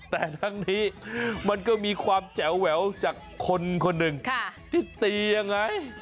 แต่ทั้งนี้มันก็มีความแจ๋วแหววจากคนคนหนึ่งที่ตียังไง